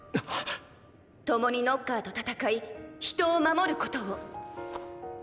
共にノッカーと戦い人を守ることを！